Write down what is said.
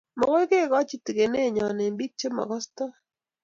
Makoi kekochi tigenot nyo eng biik che makastoi